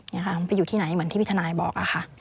ไปอยู่ที่ไหนเหมือนที่พี่ทนายบอกค่ะ